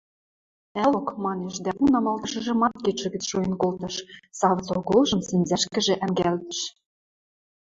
– Ӓлок... – манеш дӓ пу намалтышыжымат кидшӹ гӹц шуэн колтыш, савыц оголжым сӹнзӓшкӹжӹ ӓнгӓлтӹш...